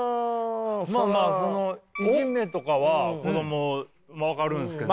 まあまあそのいじめとかは子ども分かるんすけども。